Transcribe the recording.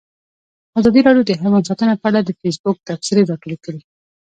ازادي راډیو د حیوان ساتنه په اړه د فیسبوک تبصرې راټولې کړي.